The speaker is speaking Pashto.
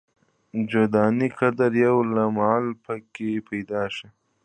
جو دانې قدر یو لعل په کې پیدا شي.